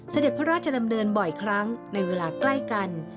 เสด็จพระราชดำเนินบ่อยครั้งในเวลาใกล้กัน